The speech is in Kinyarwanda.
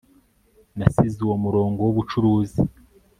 Nasize uwo murongo wubucuruzi